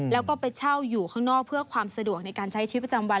แล้วก็ไปเช่าอยู่ข้างนอกเพื่อความสะดวกในการใช้ชีวิตประจำวัน